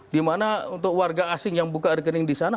di mana untuk warga asing yang buka rekening di sana